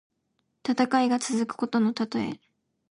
戦いが続くことのたとえ。